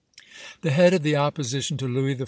The head of the opposition to Louis XIV.